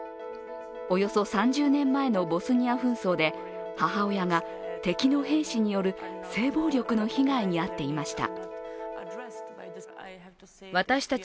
およそ３０年前のボスニア紛争で母親が敵の兵士による性暴力の被害に遭っていました。